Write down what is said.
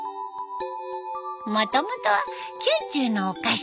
もともと宮中のお菓子。